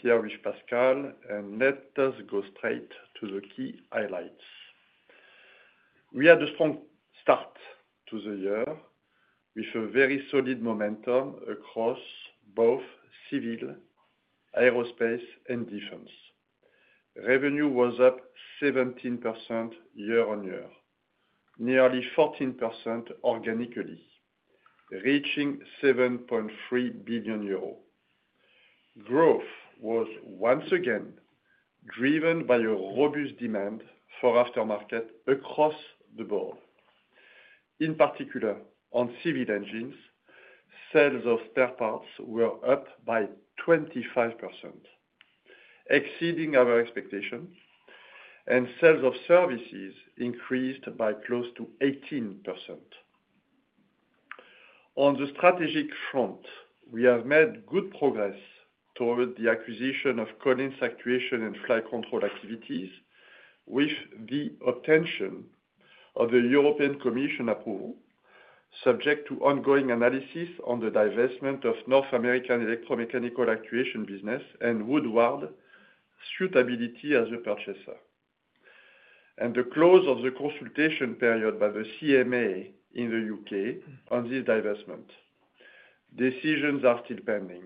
Pierre-Roch Pascal, and let us go straight to the key highlights. We had a strong start to the year with a very solid momentum across both civil, aerospace, and defense. Revenue was up 17% year-on-year, nearly 14% organically, reaching 7.3 billion euro. Growth was, once again, driven by a robust demand for aftermarket across the board. In particular, on civil engines, sales of spare parts were up by 25%, exceeding our expectations, and sales of services increased by close to 18%. On the strategic front, we have made good progress toward the acquisition of Collins Aerospace actuation and flight control activities, with the obtaining of the European Commission approval, subject to ongoing analysis on the divestment of North American electromechanical actuation business and Woodward's suitability as a purchaser. The close of the consultation period by the CMA in the U.K. on this divestment. Decisions are still pending.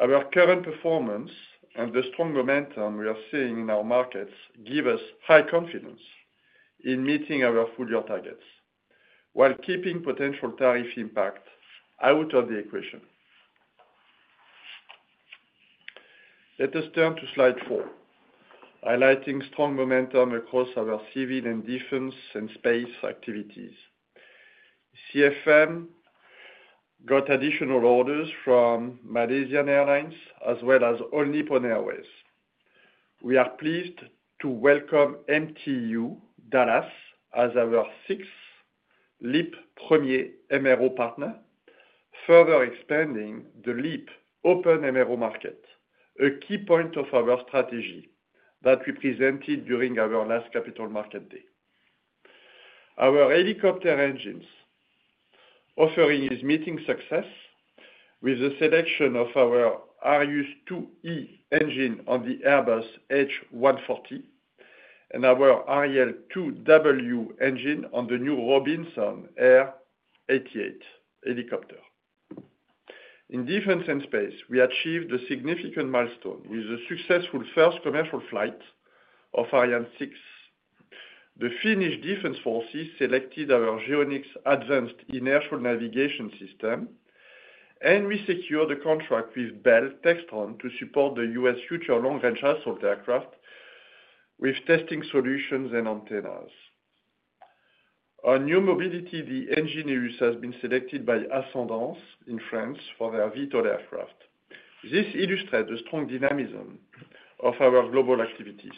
Our current performance and the strong momentum we are seeing in our markets give us high confidence in meeting our full-year targets, while keeping potential tariff impact out of the equation. Let us turn to slide four, highlighting strong momentum across our civil and defense and space activities. CFM got additional orders from Malaysian Airlines as well as All Nippon Airways. We are pleased to welcome MTU Dallas as our sixth LEAP Premier MRO partner, further expanding the LEAP open MRO market, a key point of our strategy that we presented during our last Capital Market Day. Our helicopter engines offering is meeting success with the selection of our Arrano 1A engine on the Airbus H140 and our Arriel 2W engine on the new Robinson R88 helicopter. In defense and space, we achieved a significant milestone with the successful first commercial flight of Ariane 6. The Finnish Defense Forces selected our Geonyx advanced inertial navigation system, and we secured a contract with Bell Textron to support the U.S. Future Long-Range Assault Aircraft with testing solutions and antennas. Our new mobility engineers have been selected by Ascendance in France for their VTOL aircraft. This illustrates the strong dynamism of our global activities.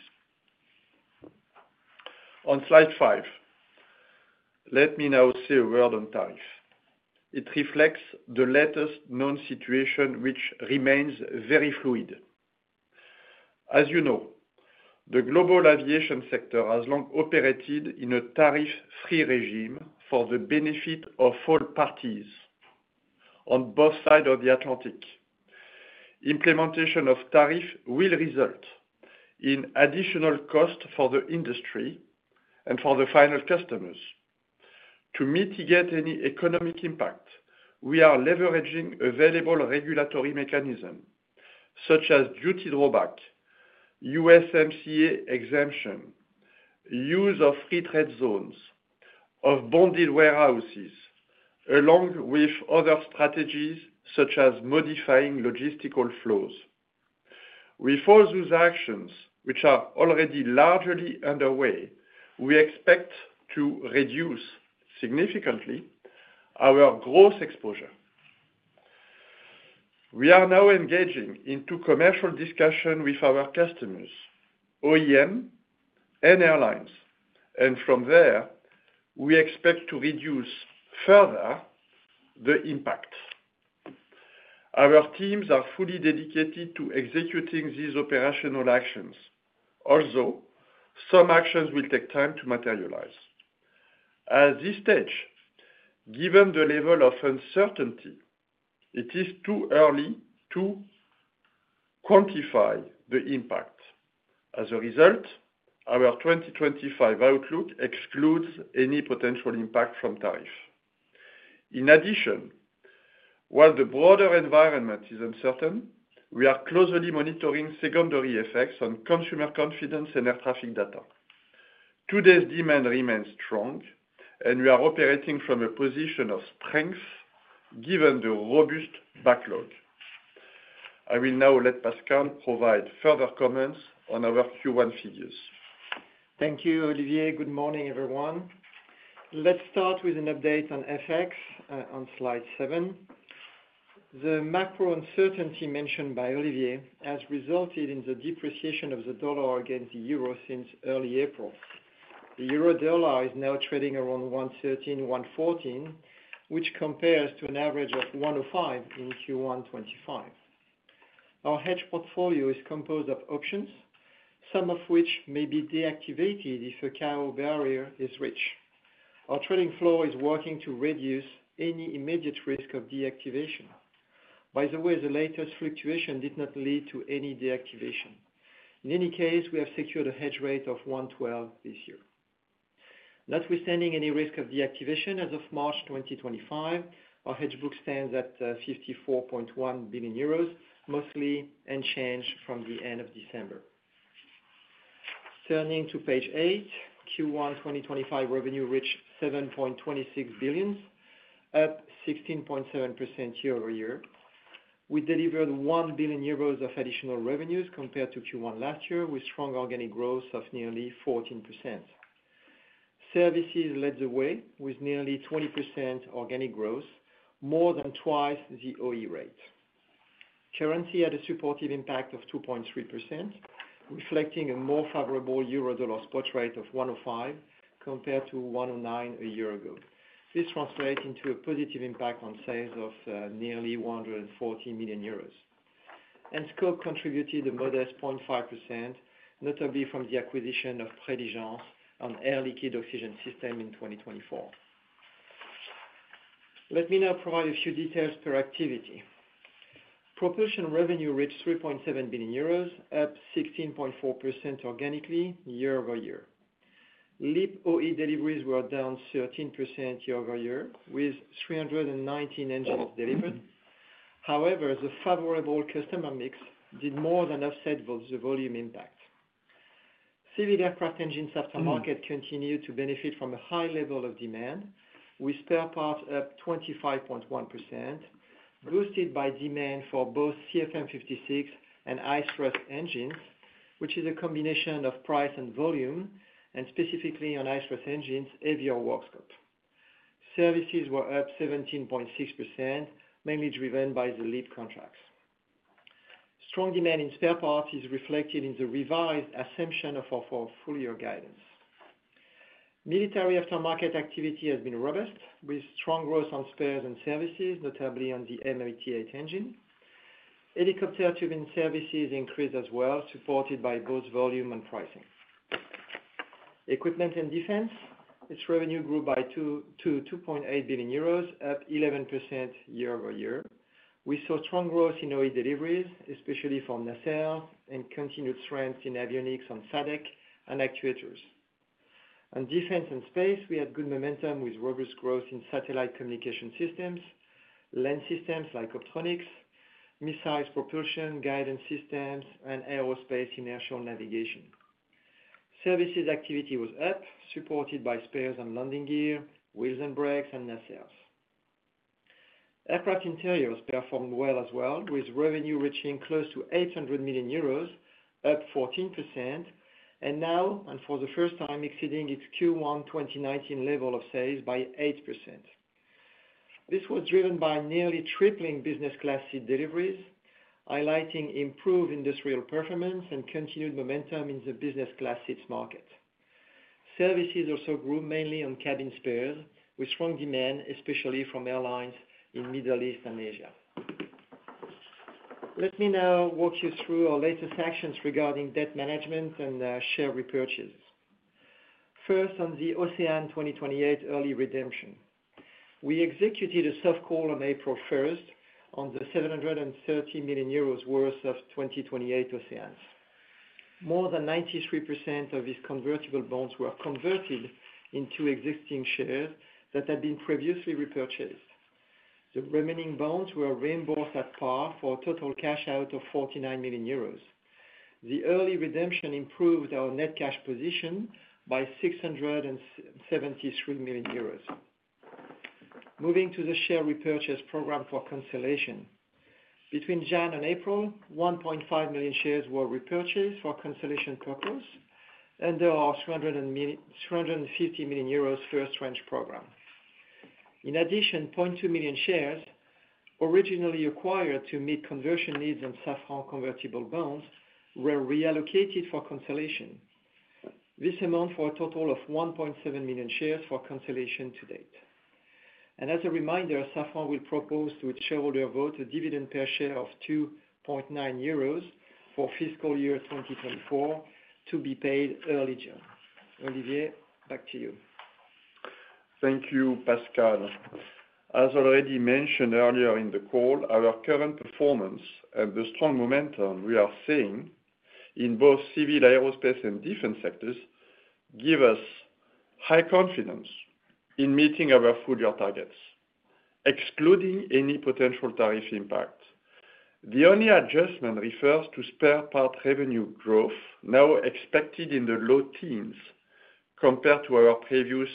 On slide five, let me now say a word on tariff. It reflects the latest known situation, which remains very fluid. As you know, the global aviation sector has long operated in a tariff-free regime for the benefit of all parties on both sides of the Atlantic. Implementation of tariff will result in additional costs for the industry and for the final customers. To mitigate any economic impact, we are leveraging available regulatory mechanisms, such as duty drawback, USMCA exemption, use of free trade zones, of bonded warehouses, along with other strategies such as modifying logistical flows. With all those actions, which are already largely underway, we expect to reduce significantly our gross exposure. We are now engaging into commercial discussion with our customers, OEM and airlines, and from there, we expect to reduce further the impact. Our teams are fully dedicated to executing these operational actions. Also, some actions will take time to materialize. At this stage, given the level of uncertainty, it is too early to quantify the impact. As a result, our 2025 outlook excludes any potential impact from tariff. In addition, while the broader environment is uncertain, we are closely monitoring secondary effects on consumer confidence and air traffic data. Today's demand remains strong, and we are operating from a position of strength given the robust backlog. I will now let Pascal provide further comments on our Q1 figures. Thank you, Olivier. Good morning, everyone. Let's start with an update on FX on slide seven. The macro uncertainty mentioned by Olivier has resulted in the depreciation of the dollar against the euro since early April. The euro/dollar is now trading around 1.13, 1.14, which compares to an average of 1.05 in Q1 2025. Our hedge portfolio is composed of options, some of which may be deactivated if a knockout barrier is reached. Our trading floor is working to reduce any immediate risk of deactivation. By the way, the latest fluctuation did not lead to any deactivation. In any case, we have secured a hedge rate of 1.12 this year. Notwithstanding any risk of deactivation, as of March 2025, our hedge book stands at 54.1 billion euros, mostly unchanged from the end of December. Turning to page eight, Q1 2025 revenue reached 7.26 billion, up 16.7% year-over-year. We delivered 1 billion euros of additional revenues compared to Q1 last year, with strong organic growth of nearly 14%. Services led the way with nearly 20% organic growth, more than twice the OE rate. Currency had a supportive impact of 2.3%, reflecting a more favorable euro/dollar spot rate of 1.05 compared to 1.09 a year ago. This translates into a positive impact on sales of nearly 140 million euros. Scope contributed a modest 0.5%, notably from the acquisition of Preligens on Air Liquide Oxygen System in 2024. Let me now provide a few details per activity. Propulsion revenue reached 3.7 billion euros, up 16.4% organically year-over-year. LEAP OE deliveries were down 13% year-over-year, with 319 engines delivered. However, the favorable customer mix did more than offset the volume impact. Civil aircraft engines aftermarket continued to benefit from a high level of demand, with spare parts up 25.1%, boosted by demand for both CFM56 and High Thrust engines, which is a combination of price and volume, and specifically on High Thrust engines, heavier work scope. Services were up 17.6%, mainly driven by the LEAP contracts. Strong demand in spare parts is reflected in the revised assumption of our full-year guidance. Military aftermarket activity has been robust, with strong growth on spares and services, notably on the M88 engine. Helicopter turbine services increased as well, supported by both volume and pricing. Equipment and defense, its revenue grew by 2.8 billion euros, up 11% year-over-year. We saw strong growth in OE deliveries, especially from nacelles, and continued strength in avionics on FADEC and actuators. On defense and space, we had good momentum with robust growth in satellite communication systems, LAN systems like Optronics, missiles propulsion, guidance systems, and aerospace inertial navigation. Services activity was up, supported by spares and landing gear, wheels and brakes, and nacelles. Aircraft interiors performed well as well, with revenue reaching close to 800 million euros, up 14%, and now, and for the first time, exceeding its Q1 2019 level of sales by 8%. This was driven by nearly tripling business class seat deliveries, highlighting improved industrial performance and continued momentum in the business class seats market. Services also grew mainly on cabin spares, with strong demand, especially from airlines in the Middle East and Asia. Let me now walk you through our latest actions regarding debt management and share repurchases. First, on the OCEANE 2028 early redemption. We executed a soft call on April 1 on the 730 million euros worth of 2028 OCEANEs. More than 93% of these convertible bonds were converted into existing shares that had been previously repurchased. The remaining bonds were reimbursed at par for a total cash out of 49 million euros. The early redemption improved our net cash position by 673 million euros. Moving to the share repurchase program for consolation. Between January and April, 1.5 million shares were repurchased for consolation purpose, under our EUR 350 million first-range program. In addition, 0.2 million shares originally acquired to meet conversion needs on Safran convertible bonds were reallocated for consolation. This amounts for a total of 1.7 million shares for consolation to date. As a reminder, Safran will propose to its shareholder vote a dividend per share of 2.9 euros for fiscal year 2024 to be paid early June. Olivier, back to you. Thank you, Pascal. As already mentioned earlier in the call, our current performance and the strong momentum we are seeing in both civil, aerospace, and defense sectors give us high confidence in meeting our full-year targets, excluding any potential tariff impact. The only adjustment refers to spare part revenue growth, now expected in the low teens compared to our previous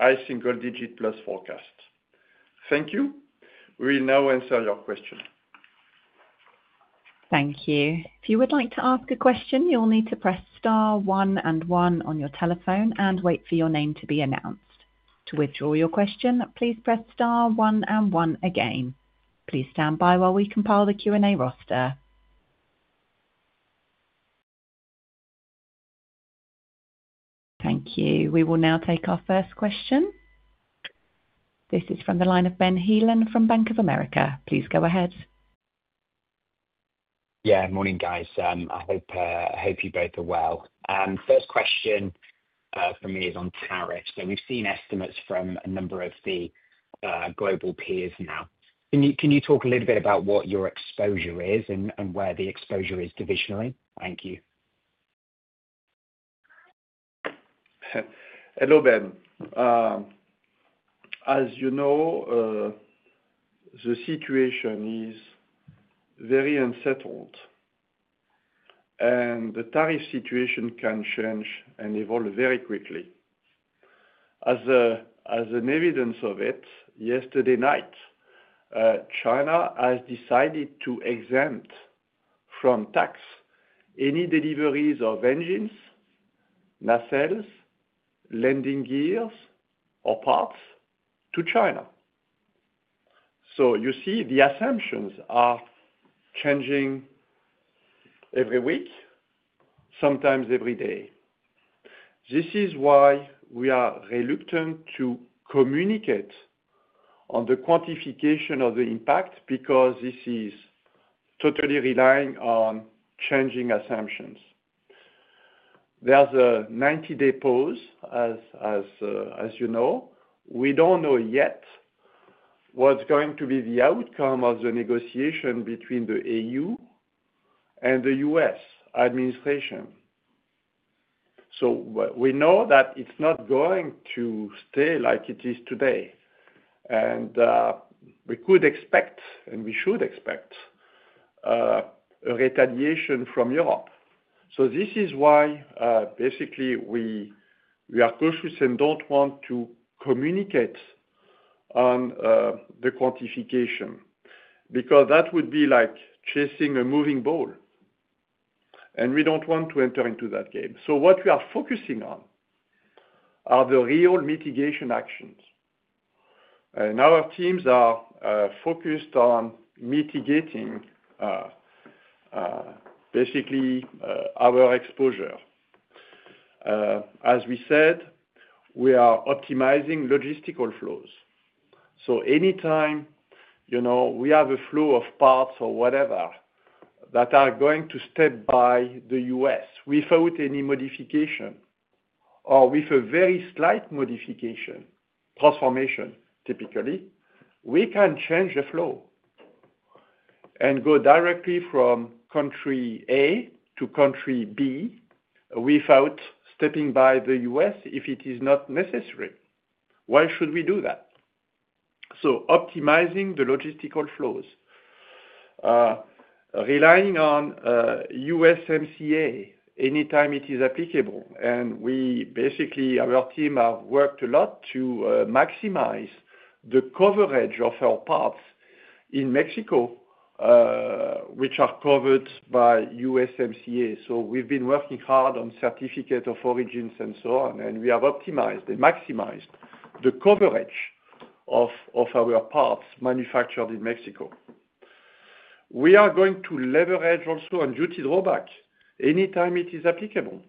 high single-digit plus forecast. Thank you. We will now answer your question. Thank you. If you would like to ask a question, you'll need to press star, one, and one on your telephone and wait for your name to be announced. To withdraw your question, please press star, one, and one again. Please stand by while we compile the Q&A roster. Thank you. We will now take our first question. This is from the line of Ben Heelan from Bank of America. Please go ahead. Yeah, morning, guys. I hope you both are well. First question for me is on tariffs. We've seen estimates from a number of the global peers now. Can you talk a little bit about what your exposure is and where the exposure is divisionally? Thank you. Hello, Ben. As you know, the situation is very unsettled, and the tariff situation can change and evolve very quickly. As an evidence of it, yesterday night, China has decided to exempt from tax any deliveries of engines, nacelles, landing gears, or parts to China. You see the assumptions are changing every week, sometimes every day. This is why we are reluctant to communicate on the quantification of the impact because this is totally relying on changing assumptions. There is a 90-day pause, as you know. We do not know yet what is going to be the outcome of the negotiation between the EU and the U.S. administration. We know that it is not going to stay like it is today. We could expect, and we should expect, a retaliation from Europe. This is why, basically, we are cautious and do not want to communicate on the quantification because that would be like chasing a moving ball. We do not want to enter into that game. What we are focusing on are the real mitigation actions. Our teams are focused on mitigating, basically, our exposure. As we said, we are optimizing logistical flows. Anytime we have a flow of parts or whatever that are going to step by the U.S. without any modification or with a very slight modification, transformation, typically, we can change the flow and go directly from country A to country B without stepping by the U.S. if it is not necessary. Why should we do that? Optimizing the logistical flows, relying on USMCA anytime it is applicable. We basically, our team have worked a lot to maximize the coverage of our parts in Mexico, which are covered by USMCA. We have been working hard on certificate of origins and so on, and we have optimized and maximized the coverage of our parts manufactured in Mexico. We are going to leverage also on duty drawback anytime it is applicable.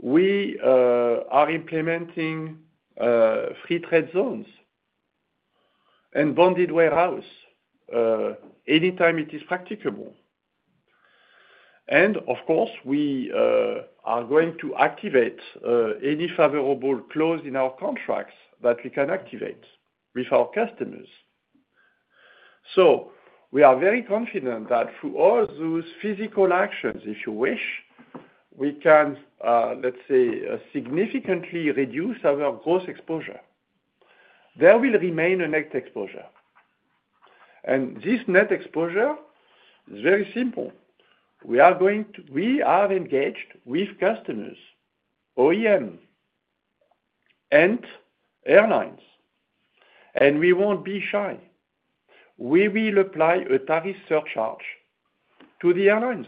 We are implementing free trade zones and bonded warehouse anytime it is practicable. Of course, we are going to activate any favorable clause in our contracts that we can activate with our customers. We are very confident that through all those physical actions, if you wish, we can, let's say, significantly reduce our gross exposure. There will remain a net exposure. This net exposure is very simple. We have engaged with customers, OEM, and airlines. We won't be shy. We will apply a tariff surcharge to the airlines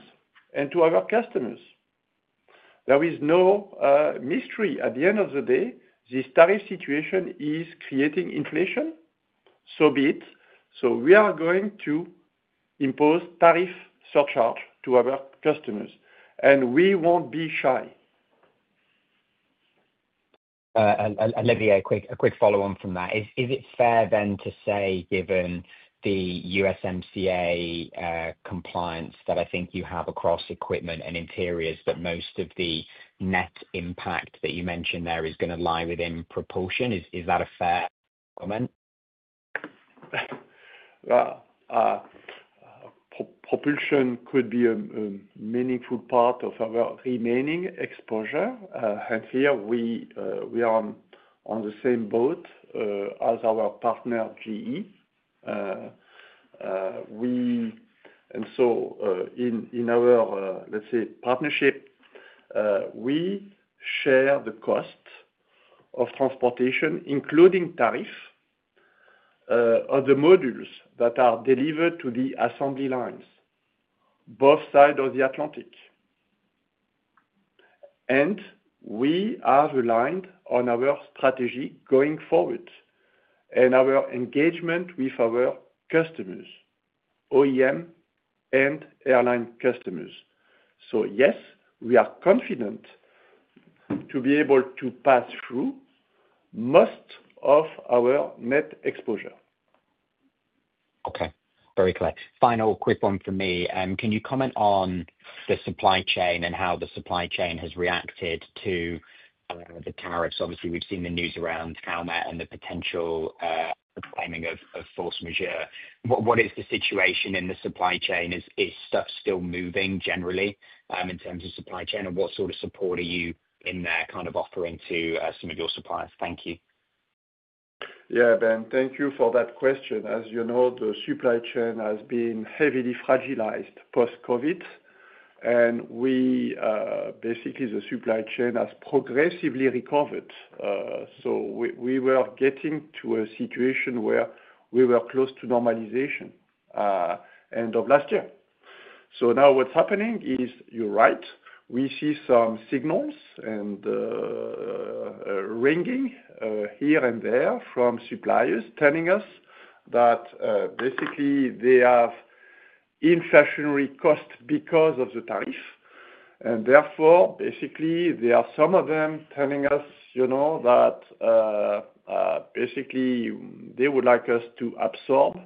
and to our customers. There is no mystery. At the end of the day, this tariff situation is creating inflation a bit. We are going to impose tariff surcharge to our customers. We won't be shy. I'd love a quick follow-on from that. Is it fair then to say, given the USMCA compliance that I think you have across equipment and interiors, that most of the net impact that you mentioned there is going to lie within propulsion? Is that a fair comment? Propulsion could be a meaningful part of our remaining exposure. Here, we are on the same boat as our partner, GE. In our, let's say, partnership, we share the cost of transportation, including tariff, of the modules that are delivered to the assembly lines, both sides of the Atlantic. We are aligned on our strategy going forward and our engagement with our customers, OEM and airline customers. Yes, we are confident to be able to pass through most of our net exposure. Okay. Very clear. Final quick one from me. Can you comment on the supply chain and how the supply chain has reacted to the tariffs? Obviously, we've seen the news around Calmette and the potential claiming of force majeure. What is the situation in the supply chain? Is stuff still moving generally in terms of supply chain? What sort of support are you in there kind of offering to some of your suppliers? Thank you. Yeah, Ben, thank you for that question. As you know, the supply chain has been heavily fragilized post-COVID. Basically, the supply chain has progressively recovered. We were getting to a situation where we were close to normalization end of last year. Now what's happening is, you're right, we see some signals and ringing here and there from suppliers telling us that basically they have inflationary costs because of the tariff. Therefore, basically, there are some of them telling us that basically they would like us to absorb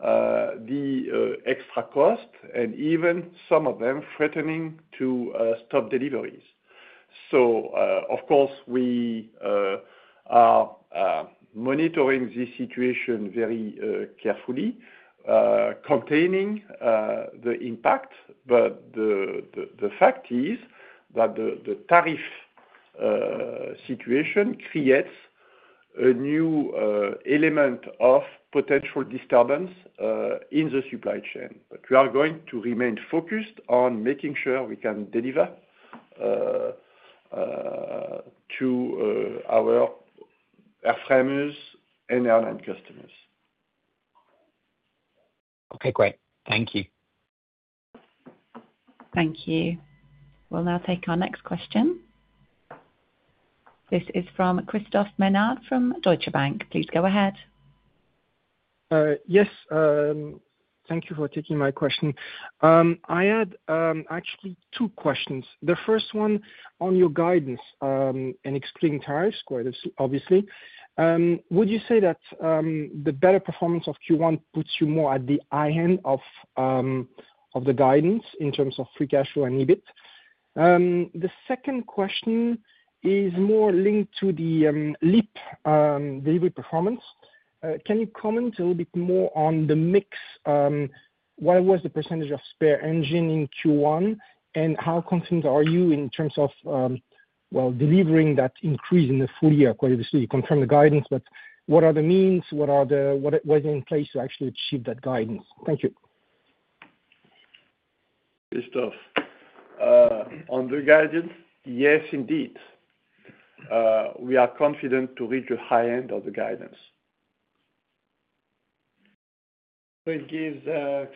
the extra cost, and even some of them threatening to stop deliveries. Of course, we are monitoring this situation very carefully, containing the impact. The fact is that the tariff situation creates a new element of potential disturbance in the supply chain. We are going to remain focused on making sure we can deliver to our airframes and airline customers. Okay, great. Thank you. Thank you. We'll now take our next question. This is from Christophe Menard from Deutsche Bank. Please go ahead. Yes. Thank you for taking my question. I had actually two questions. The first one on your guidance and explaining tariffs, obviously. Would you say that the better performance of Q1 puts you more at the high end of the guidance in terms of free cash flow and EBIT? The second question is more linked to the LEAP delivery performance. Can you comment a little bit more on the mix? What was the percentage of spare engine in Q1? And how confident are you in terms of, you know, delivering that increase in the full year? Obviously, you confirmed the guidance, but what are the means? What was in place to actually achieve that guidance? Thank you. Christophe. On the guidance, yes, indeed. We are confident to reach the high end of the guidance. It gives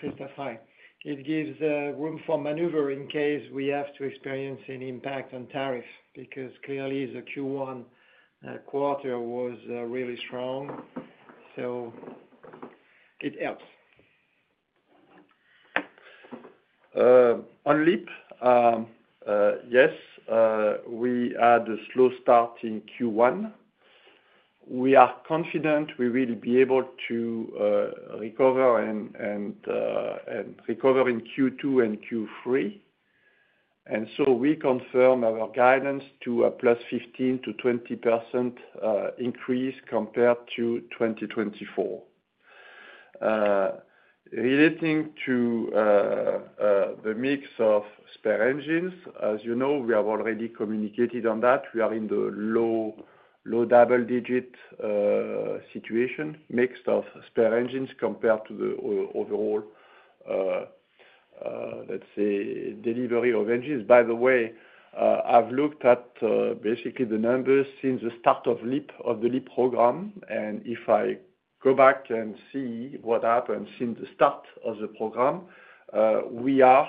Christophe, hi. It gives room for maneuver in case we have to experience an impact on tariff because clearly the Q1 quarter was really strong. It helps. On LEAP, yes, we had a slow start in Q1. We are confident we will be able to recover in Q2 and Q3. We confirm our guidance to a +15%-20% increase compared to 2024. Relating to the mix of spare engines, as you know, we have already communicated on that. We are in the low double-digit situation, mix of spare engines compared to the overall, let's say, delivery of engines. By the way, I've looked at basically the numbers since the start of the LEAP program. If I go back and see what happened since the start of the program, we are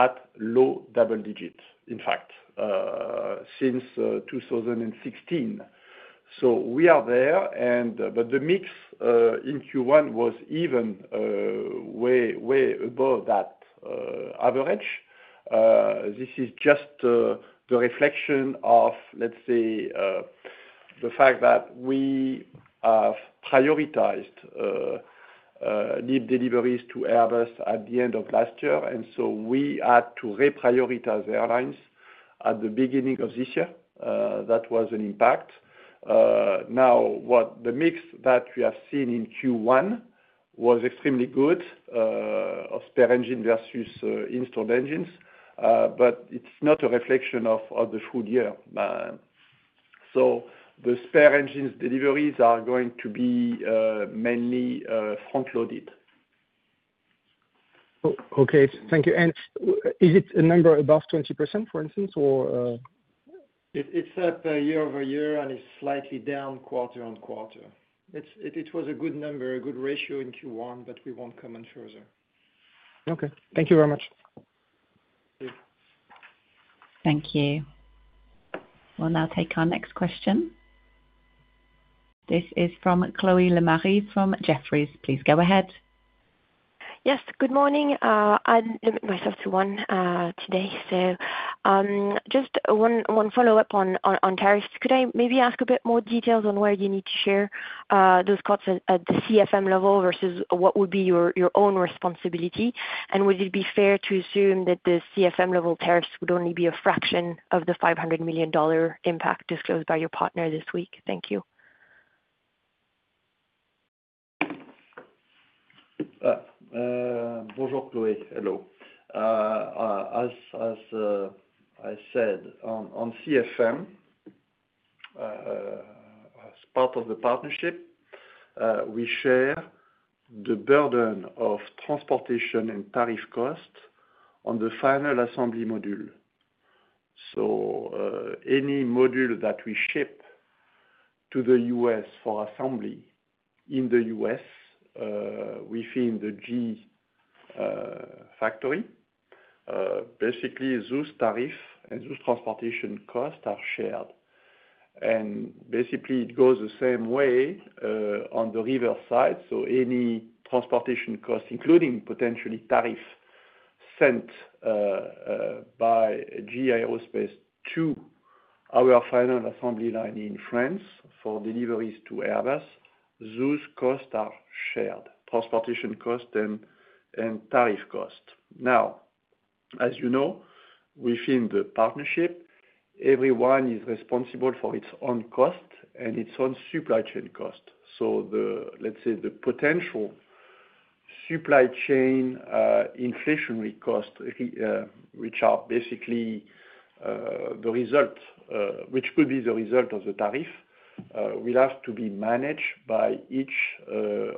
at low double digits, in fact, since 2016. We are there. The mix in Q1 was even way above that average. This is just the reflection of, let's say, the fact that we have prioritized LEAP deliveries to Airbus at the end of last year. We had to reprioritize airlines at the beginning of this year. That was an impact. Now, the mix that we have seen in Q1 was extremely good of spare engine versus installed engines, but it's not a reflection of the full year. The spare engines deliveries are going to be mainly front-loaded. Okay. Thank you. Is it a number above 20%, for instance, or? It's up year-over-year, and it's slightly down quarter on quarter. It was a good number, a good ratio in Q1, but we won't comment further. Okay. Thank you very much. Thank you. We'll now take our next question. This is from Chloé Lemarie from Jefferies. Please go ahead. Yes. Good morning. I'm limiting myself to one today. Just one follow-up on tariffs. Could I maybe ask a bit more details on where you need to share those cuts at the CFM level versus what would be your own responsibility? Would it be fair to assume that the CFM-level tariffs would only be a fraction of the $500 million impact disclosed by your partner this week? Thank you. Bonjour, Chloé. Hello. As I said, on CFM, as part of the partnership, we share the burden of transportation and tariff costs on the final assembly module. Any module that we ship to the U.S. for assembly in the U.S. within the GE factory, basically those tariff and those transportation costs are shared. It goes the same way on the reverse side. Any transportation cost, including potentially tariff sent by GE Aerospace to our final assembly line in France for deliveries to Airbus, those costs are shared: transportation costs and tariff costs. Now, as you know, within the partnership, everyone is responsible for its own cost and its own supply chain cost. Let's say the potential supply chain inflationary costs, which are basically the result, which could be the result of the tariff, will have to be managed by each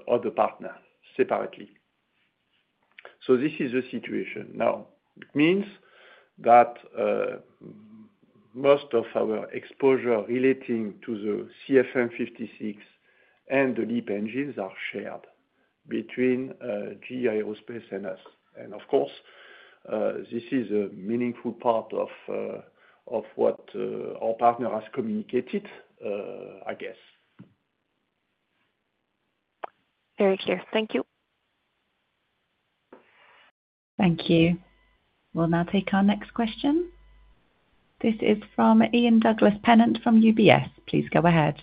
of the partners separately. This is the situation. Now, it means that most of our exposure relating to the CFM56 and the LEAP engines are shared between GE Aerospace and us. Of course, this is a meaningful part of what our partner has communicated, I guess. Very clear. Thank you. Thank you. We'll now take our next question. This is from Ian Douglas-Pennant from UBS. Please go ahead.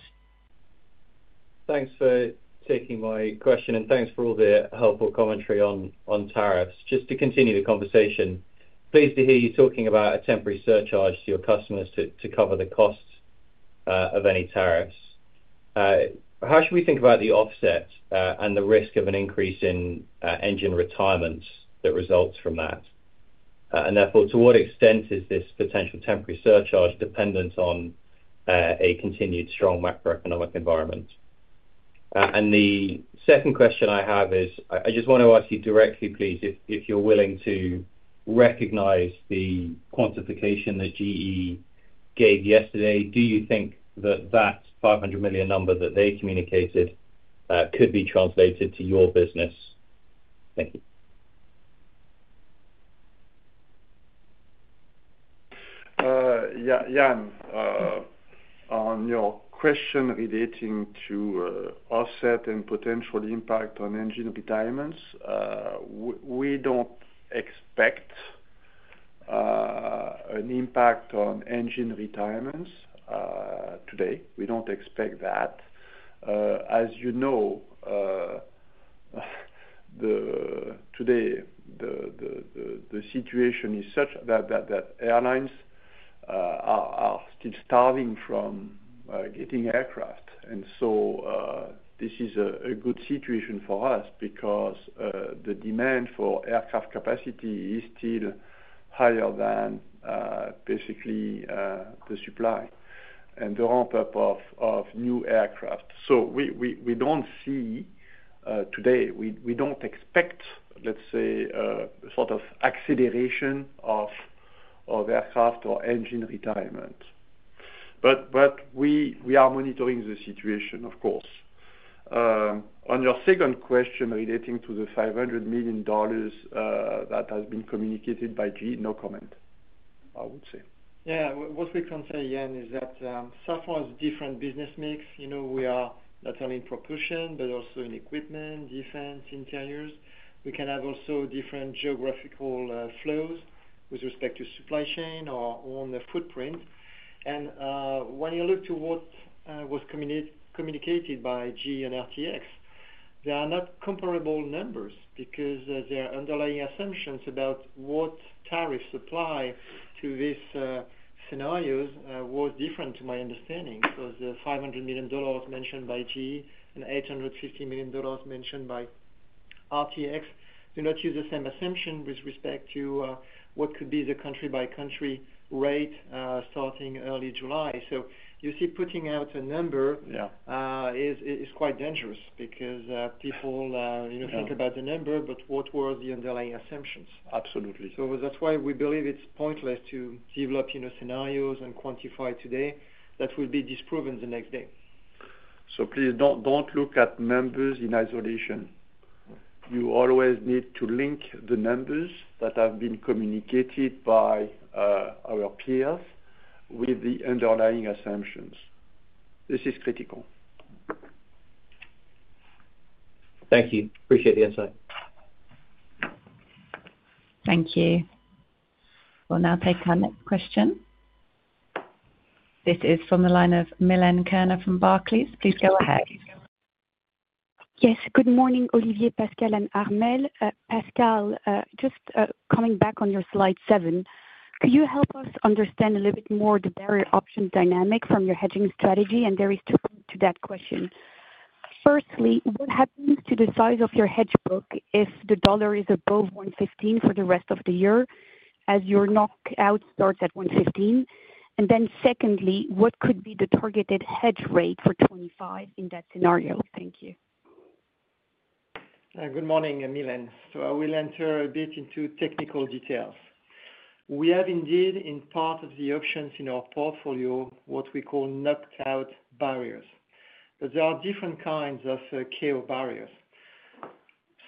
Thanks for taking my question, and thanks for all the helpful commentary on tariffs. Just to continue the conversation, pleased to hear you talking about a temporary surcharge to your customers to cover the costs of any tariffs. How should we think about the offset and the risk of an increase in engine retirements that results from that? To what extent is this potential temporary surcharge dependent on a continued strong macroeconomic environment? The second question I have is, I just want to ask you directly, please, if you're willing to recognize the quantification that GE gave yesterday, do you think that that $500 million number that they communicated could be translated to your business? Thank you. Yeah. On your question relating to offset and potential impact on engine retirements, we do not expect an impact on engine retirements today. We do not expect that. As you know, today, the situation is such that airlines are still starving from getting aircraft. This is a good situation for us because the demand for aircraft capacity is still higher than basically the supply and the ramp-up of new aircraft. We do not see today, we do not expect, let's say, a sort of acceleration of aircraft or engine retirement. We are monitoring the situation, of course. On your second question relating to the $500 million that has been communicated by GE, no comment, I would say. Yeah. What we can say, Ian, is that Safran has a different business mix. We are not only in propulsion, but also in equipment, defense, interiors. We can have also different geographical flows with respect to supply chain or on the footprint. When you look to what was communicated by GE and RTX, there are not comparable numbers because their underlying assumptions about what tariffs apply to these scenarios was different to my understanding. The $500 million mentioned by GE and $850 million mentioned by RTX do not use the same assumption with respect to what could be the country-by-country rate starting early July. You see, putting out a number is quite dangerous because people think about the number, but what were the underlying assumptions? Absolutely. That's why we believe it's pointless to develop scenarios and quantify today that will be disproven the next day. Please do not look at numbers in isolation. You always need to link the numbers that have been communicated by our peers with the underlying assumptions. This is critical. Thank you. Appreciate the insight. Thank you. We'll now take our next question. This is from the line of Milene Kerner from Barclays. Please go ahead. Yes. Good morning, Olivier, Pascal, and Armelle. Pascal, just coming back on your slide seven, could you help us understand a little bit more the barrier option dynamic from your hedging strategy? There is two things to that question. Firstly, what happens to the size of your hedge book if the dollar is above 1.15 for the rest of the year as your knockout starts at 1.15? Secondly, what could be the targeted hedge rate for 2025 in that scenario? Thank you. Good morning, Milene. I will enter a bit into technical details. We have indeed, in part of the options in our portfolio, what we call knockout barriers. There are different kinds of KO barriers.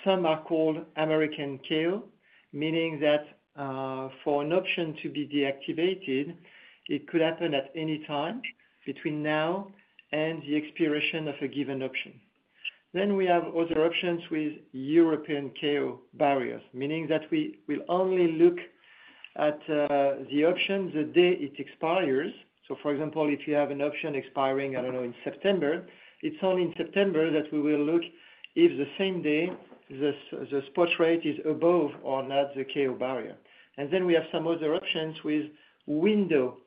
Some are called American KO, meaning that for an option to be deactivated, it could happen at any time between now and the expiration of a given option. We have other options with European KO barriers, meaning that we will only look at the option the day it expires. For example, if you have an option expiring, I don't know, in September, it's only in September that we will look if the same day the spot rate is above or not the KO barrier. We have some other options with window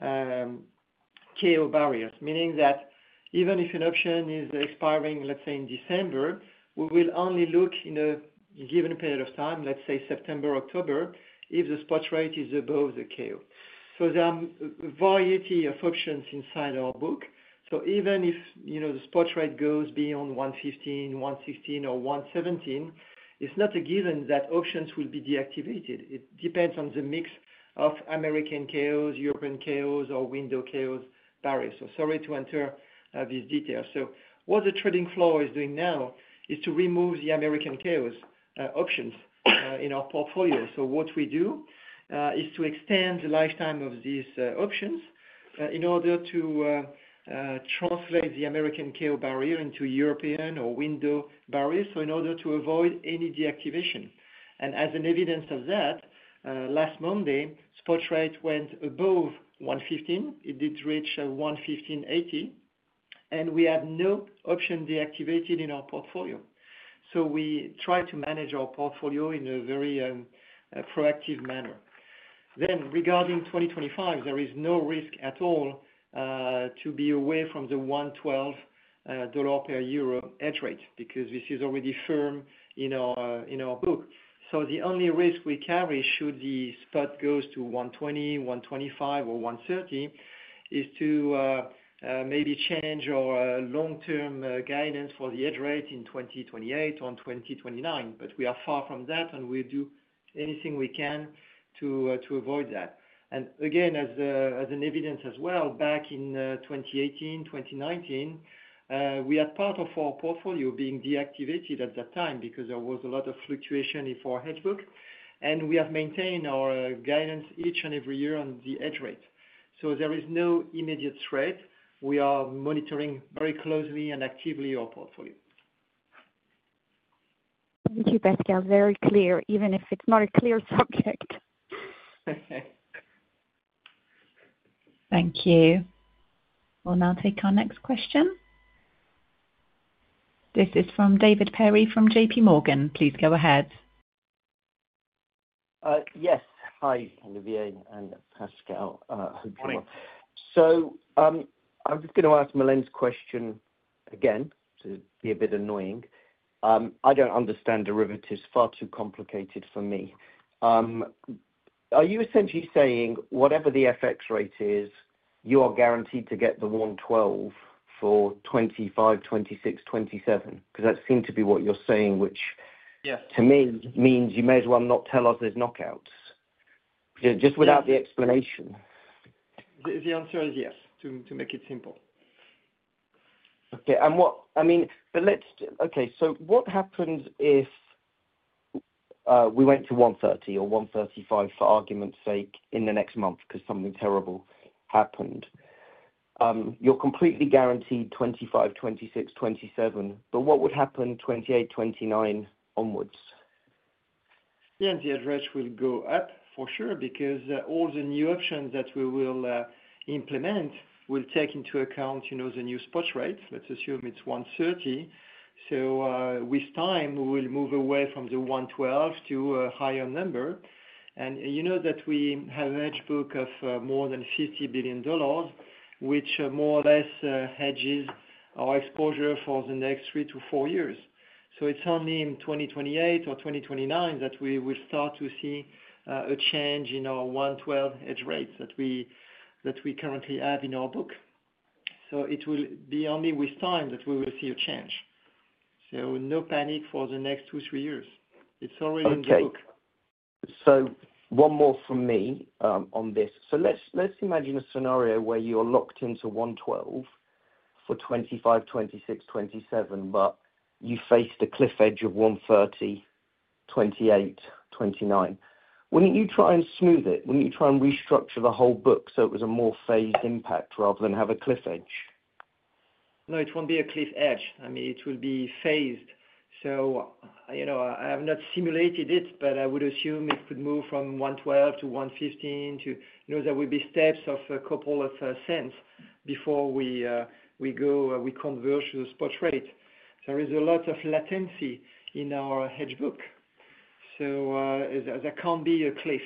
KO barriers, meaning that even if an option is expiring, let's say, in December, we will only look in a given period of time, let's say, September, October, if the spot rate is above the KO. There are a variety of options inside our book. Even if the spot rate goes beyond 1.15, 1.16, or 1.17, it's not a given that options will be deactivated. It depends on the mix of American KOs, European KOs, or window KO barriers. Sorry to enter this detail. What the trading floor is doing now is to remove the American KOs options in our portfolio. What we do is to extend the lifetime of these options in order to translate the American KO barrier into European or window barriers in order to avoid any deactivation. As an evidence of that, last Monday, spot rate went above 1.15. It did reach 1.1580, and we had no option deactivated in our portfolio. We try to manage our portfolio in a very proactive manner. Regarding 2025, there is no risk at all to be away from the $1.12 per euro hedge rate because this is already firm in our book. The only risk we carry should the spot go to 1.20, 1.25, or 1.30 is to maybe change our long-term guidance for the hedge rate in 2028 or 2029. We are far from that, and we will do anything we can to avoid that. Again, as an evidence as well, back in 2018, 2019, we had part of our portfolio being deactivated at that time because there was a lot of fluctuation in our hedge book. We have maintained our guidance each and every year on the hedge rate. There is no immediate threat. We are monitoring very closely and actively our portfolio. Thank you, Pascal. Very clear, even if it's not a clear subject. Thank you. We'll now take our next question. This is from David Perry from J.P. Morgan. Please go ahead. Yes. Hi, Olivier and Pascal. Hi. I'm just going to ask Milene's question again to be a bit annoying. I don't understand derivatives. Far too complicated for me. Are you essentially saying whatever the FX rate is, you are guaranteed to get the 1.12 for 2025, 2026, 2027? Because that seemed to be what you're saying, which to me means you may as well not tell us there's knockouts. Just without the explanation. The answer is yes, to make it simple. Okay. I mean, but let's okay. So what happens if we went to 1.30 or 1.35, for argument's sake, in the next month because something terrible happened? You're completely guaranteed 2025, 2026, 2027, but what would happen 2028, 2029 onwards? Yeah. The address will go up for sure because all the new options that we will implement will take into account the new spot rate. Let's assume it's 1.30. With time, we will move away from the 1.12 to a higher number. You know that we have a hedge book of more than $50 billion, which more or less hedges our exposure for the next three to four years. It is only in 2028 or 2029 that we will start to see a change in our 1.12 hedge rates that we currently have in our book. It will be only with time that we will see a change. No panic for the next two, three years. It's already in the book. Okay. One more from me on this. Let's imagine a scenario where you're locked into 1.12 for 2025, 2026, 2027, but you face the cliff edge of 1.30 in 2028, 2029. Wouldn't you try and smooth it? Wouldn't you try and restructure the whole book so it was a more phased impact rather than have a cliff edge? No, it won't be a cliff edge. I mean, it will be phased. I have not simulated it, but I would assume it could move from 1.12 to 1.15. There will be steps of a couple of cents before we converge to the spot rate. There is a lot of latency in our hedge book. There can't be a cliff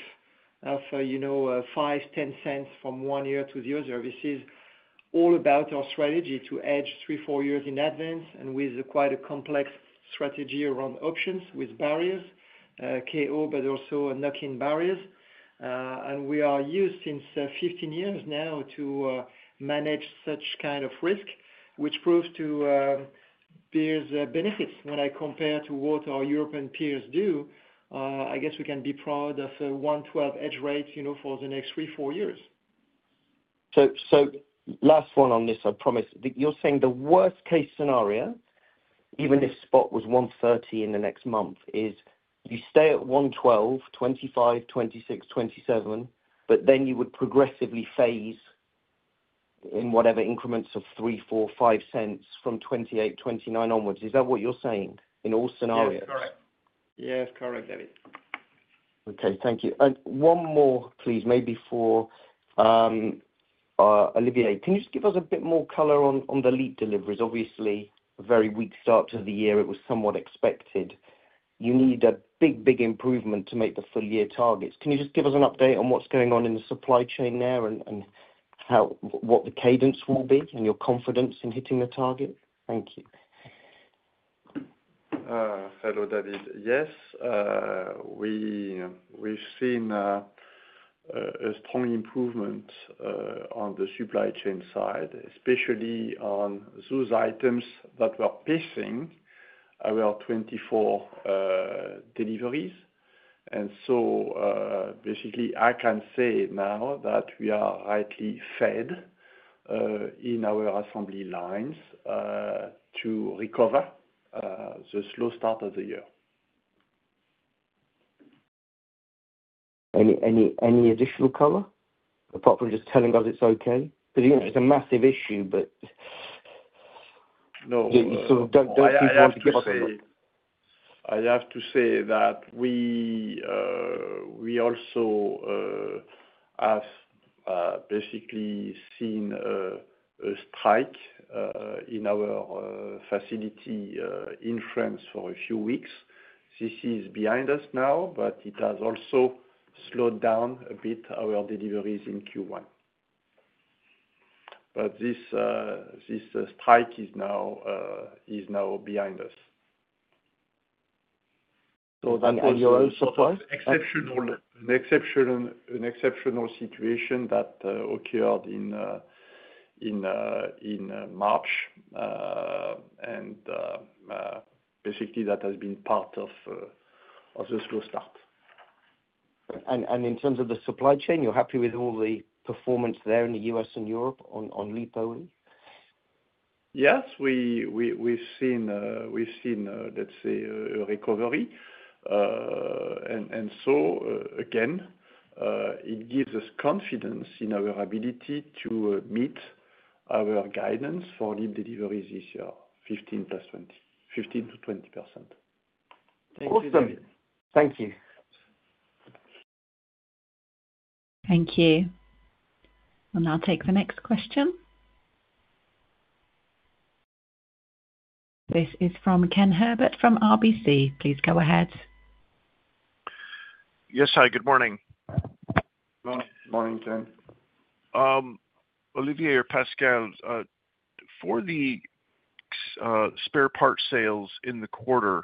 of $0.05-$0.1 cents from one year to the other. This is all about our strategy to hedge three, four years in advance and with quite a complex strategy around options with barriers, KO, but also knock-in barriers. We are used since 15 years now to manage such kind of risk, which proves to be benefits when I compare to what our European peers do. I guess we can be proud of 1.12 hedge rates for the next three, four years. Last one on this, I promise. You're saying the worst-case scenario, even if spot was $1.30 in the next month, is you stay at $1.12, 2025, 2026, 2027, but then you would progressively phase in whatever increments of $0.03, $0.04, $0.05 from 2028, 2029 onwards. Is that what you're saying in all scenarios? Yes. Correct. Yes. Correct, David. Okay. Thank you. One more, please, maybe for Olivier. Can you just give us a bit more color on the LEAP deliveries? Obviously, a very weak start to the year. It was somewhat expected. You need a big, big improvement to make the full-year targets. Can you just give us an update on what's going on in the supply chain there and what the cadence will be and your confidence in hitting the target? Thank you. Hello, David. Yes. We've seen a strong improvement on the supply chain side, especially on those items that were missing our 24 deliveries. I can say now that we are rightly fed in our assembly lines to recover the slow start of the year. Any additional color apart from just telling us it's okay? Because it's a massive issue, but don't people want to give us a word? I have to say that we also have basically seen a strike in our facility in France for a few weeks. This is behind us now, but it has also slowed down a bit our deliveries in Q1. This strike is now behind us. Your answer to what? An exceptional situation that occurred in March. Basically, that has been part of the slow start. In terms of the supply chain, you're happy with all the performance there in the U.S. and Europe on lead delivery? Yes. We've seen, let's say, a recovery. It gives us confidence in our ability to meet our guidance for LEAP deliveries this year, 15%-20%. Awesome. Thank you. Thank you. We'll now take the next question. This is from Ken Herbert from RBC. Please go ahead. Yes, hi. Good morning. Morning, Ken. Olivier or Pascal, for the spare part sales in the quarter,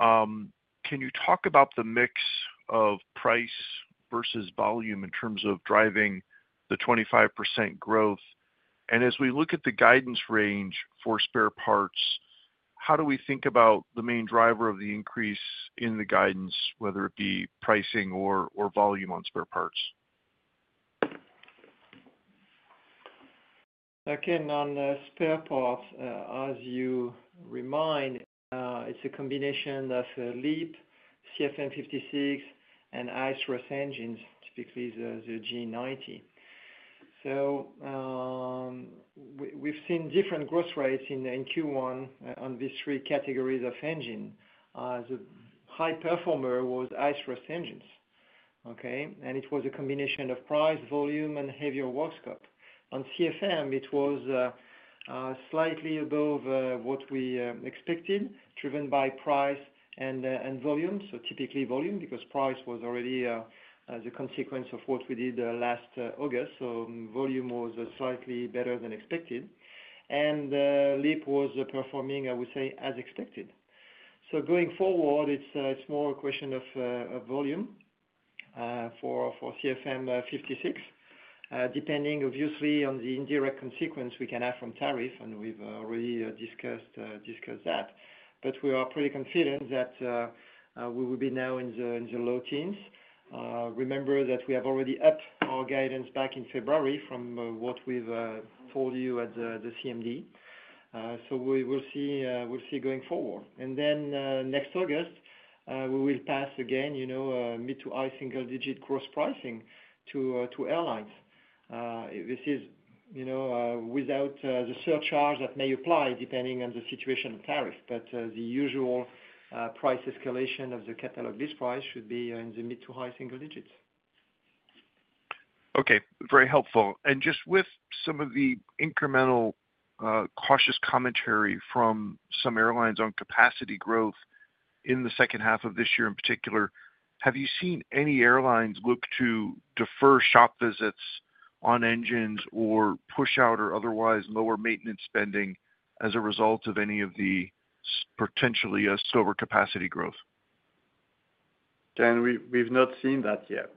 can you talk about the mix of price versus volume in terms of driving the 25% growth? As we look at the guidance range for spare parts, how do we think about the main driver of the increase in the guidance, whether it be pricing or volume on spare parts? Again, on spare parts, as you remind, it's a combination of LEAP, CFM56, andHigh Thrust engines, typically the GE90. We have seen different growth rates in Q1 on these three categories of engine. The high performer was High Thrust engines, okay? It was a combination of price, volume, and heavier workscope. On CFM, it was slightly above what we expected, driven by price and volume, typically volume because price was already the consequence of what we did last August. Volume was slightly better than expected. LEAP was performing, I would say, as expected. Going forward, it's more a question of volume for CFM56, depending obviously on the indirect consequence we can have from tariff. We have already discussed that. We are pretty confident that we will be now in the low teens. Remember that we have already upped our guidance back in February from what we have told you at the CMD. We will see going forward. Next August, we will pass again mid to high single-digit gross pricing to airlines. This is without the surcharge that may apply depending on the situation of tariff. The usual price escalation of the catalog list price should be in the mid to high single digits. Okay. Very helpful. Just with some of the incremental cautious commentary from some airlines on capacity growth in the second half of this year in particular, have you seen any airlines look to defer shop visits on engines or push out or otherwise lower maintenance spending as a result of any of the potentially slower capacity growth? Ken, we've not seen that yet.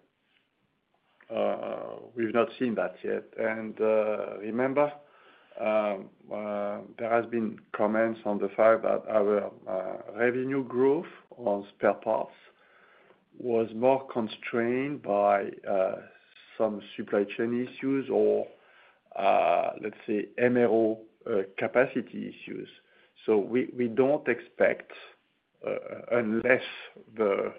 We've not seen that yet. Remember, there have been comments on the fact that our revenue growth on spare parts was more constrained by some supply chain issues or, let's say, MRO capacity issues. We don't expect, unless the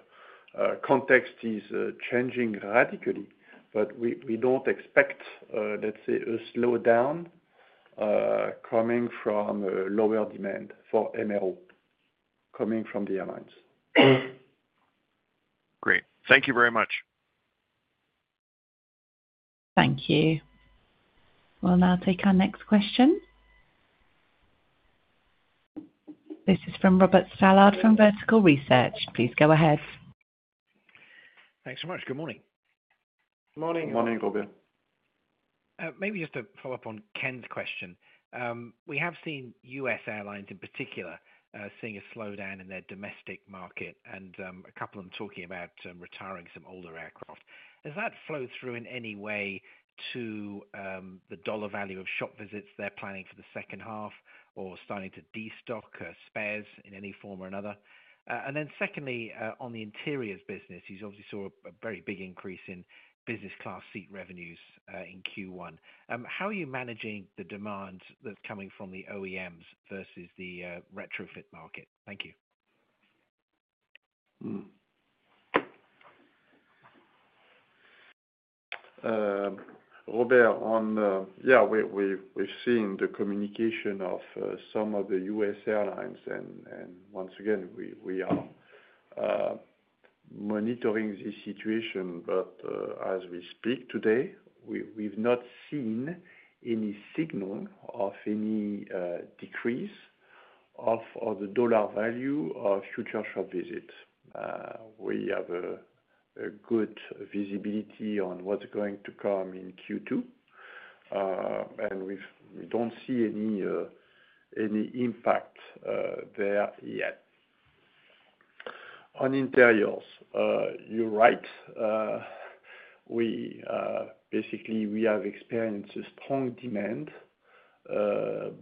context is changing radically, but we don't expect, let's say, a slowdown coming from lower demand for MRO coming from the airlines. Great. Thank you very much. Thank you. We'll now take our next question. This is from Robert Stallard from Vertical Research. Please go ahead. Thanks so much. Good morning. Good morning. Good morning, Robert. Maybe just to follow up on Ken's question. We have seen U.S. airlines in particular seeing a slowdown in their domestic market and a couple of them talking about retiring some older aircraft. Has that flowed through in any way to the dollar value of shop visits they're planning for the second half or starting to destock spares in any form or another? Secondly, on the interiors business, you obviously saw a very big increase in business class seat revenues in Q1. How are you managing the demand that's coming from the OEMs versus the retrofit market? Thank you. Robert, yeah, we've seen the communication of some of the U.S. airlines. Once again, we are monitoring this situation. As we speak today, we've not seen any signal of any decrease of the dollar value of future shop visits. We have good visibility on what's going to come in Q2. We don't see any impact there yet. On interiors, you're right. Basically, we have experienced strong demand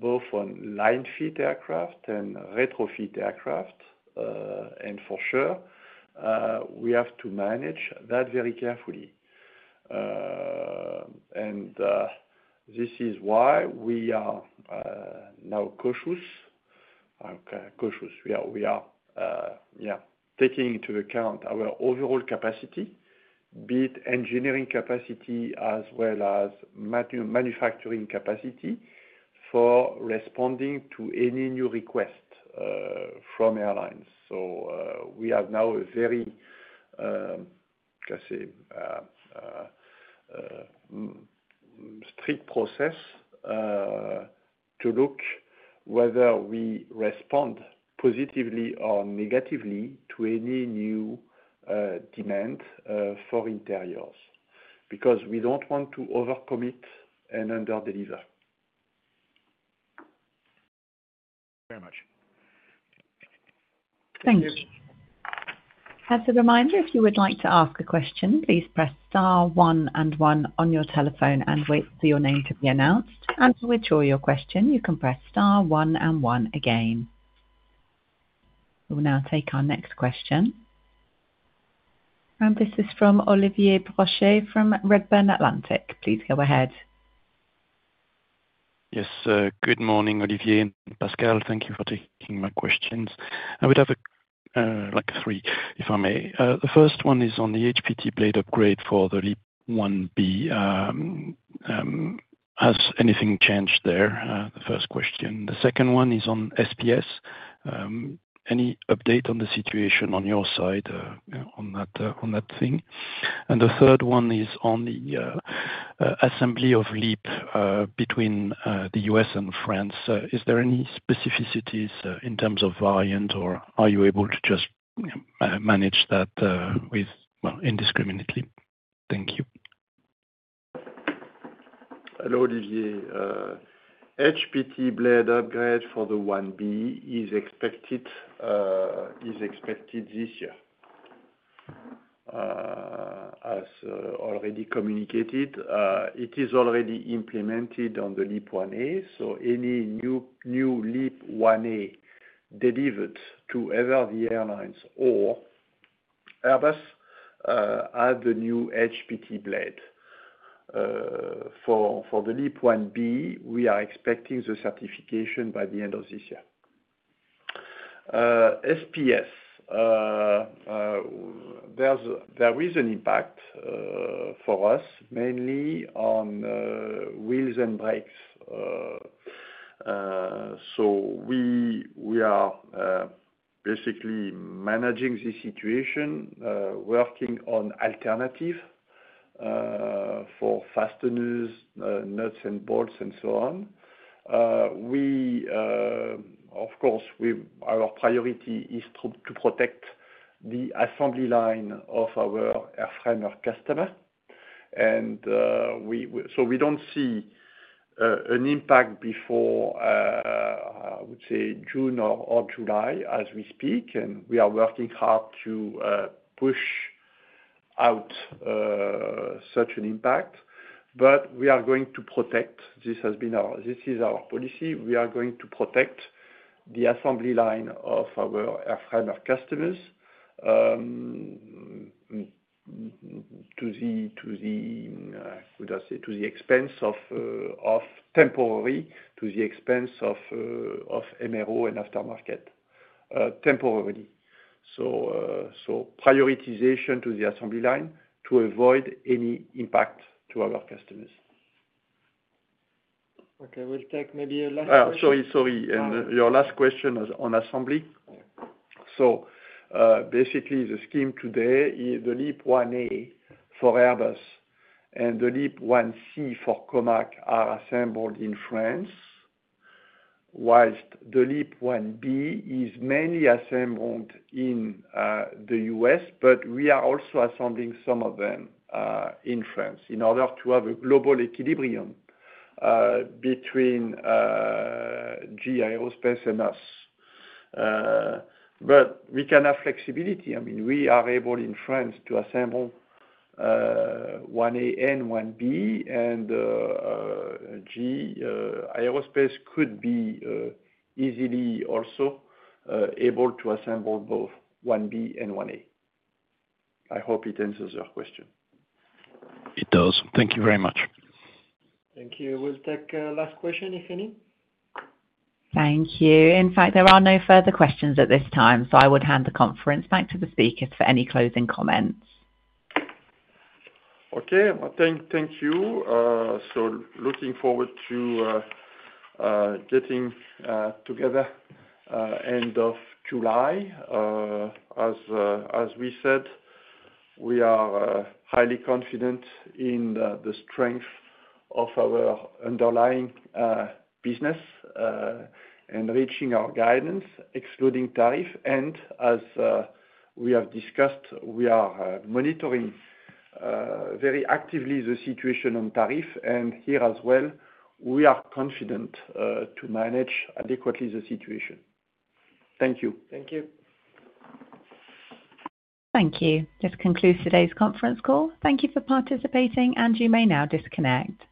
both on line-fit aircraft and retrofit aircraft. For sure, we have to manage that very carefully. This is why we are now cautious. Okay. Cautious. We are, yeah, taking into account our overall capacity, be it engineering capacity as well as manufacturing capacity for responding to any new request from airlines. We have now a very, let's say, strict process to look whether we respond positively or negatively to any new demand for interiors because we don't want to overcommit and underdeliver. Very much. Thanks. As a reminder, if you would like to ask a question, please press star, one, and one on your telephone and wait for your name to be announced. To withdraw your question, you can press star, one, and one again. We will now take our next question. This is from Olivier Brochet from Redburn Atlantic. Please go ahead. Yes. Good morning, Olivier and Pascal. Thank you for taking my questions. I would have like three, if I may. The first one is on the HPT blade upgrade for the LEAP-1B. Has anything changed there? The first question. The second one is on SPS. Any update on the situation on your side on that thing? The third one is on the assembly of LEAP between the U.S. and France. Is there any specificities in terms of variant, or are you able to just manage that indiscriminately? Thank you. Hello, Olivier. HPT blade upgrade for the 1B is expected this year. As already communicated, it is already implemented on the LEAP 1A. Any new LEAP 1A delivered to either the airlines or Airbus has the new HPT blade. For the LEAP 1B, we are expecting the certification by the end of this year. SPS, there is an impact for us mainly on wheels and brakes. We are basically managing this situation, working on alternatives for fasteners, nuts, and bolts, and so on. Of course, our priority is to protect the assembly line of our airframe or customer. We do not see an impact before, I would say, June or July as we speak. We are working hard to push out such an impact. We are going to protect this. This is our policy. We are going to protect the assembly line of our airframe or customers to the, I would say, to the expense of temporary, to the expense of MRO and aftermarket temporarily. Prioritization to the assembly line to avoid any impact to our customers. Okay. We'll take maybe a last question. Sorry, sorry. Your last question on assembly. Basically, the LEAP 1A for Airbus and the LEAP 1C for Comac are assembled in France, whilst the LEAP 1B is mainly assembled in the U.S., but we are also assembling some of them in France in order to have a global equilibrium between GE Aerospace and us. We can have flexibility. I mean, we are able in France to assemble 1A and 1B, and GE Aerospace could be easily also able to assemble both 1B and 1A. I hope it answers your question. It does. Thank you very much. Thank you. We'll take last question, if any. Thank you. In fact, there are no further questions at this time. I would hand the conference back to the speakers for any closing comments. Thank you. Looking forward to getting together end of July. As we said, we are highly confident in the strength of our underlying business and reaching our guidance, excluding tariff. As we have discussed, we are monitoring very actively the situation on tariff. Here as well, we are confident to manage adequately the situation. Thank you. Thank you. Thank you. This concludes today's conference call. Thank you for participating, and you may now disconnect.